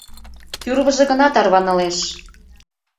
Тӱрвыжӧ гына тарванылеш: